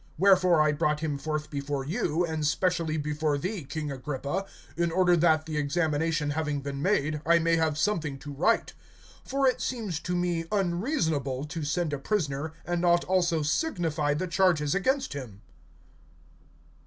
Wherefore I brought him forth before you, and specially before thee, king Agrippa, in order that, the examination having been made, I may have something to write. (27)For it seems to me unreasonable to send a prisoner, and not also signify the charges against him.